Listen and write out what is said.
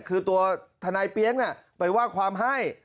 คือตัวทนายเปี๊ยกไปว่าความให้